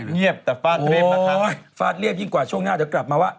เงียบแต่ฟาดเรียบนะคะฟาดเรียบยิ่งกว่าช่วงหน้าเดี๋ยวกลับมาว่า